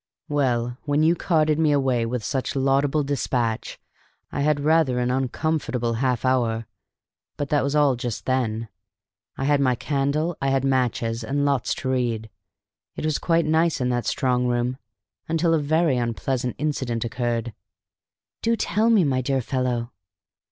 Well, when you carted me away with such laudable despatch, I had rather an uncomfortable half hour, but that was all just then. I had my candle, I had matches, and lots to read. It was quite nice in that strong room until a very unpleasant incident occurred." "Do tell me, my dear fellow!"